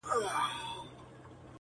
زور يې نه وو برابر له وزيرانو،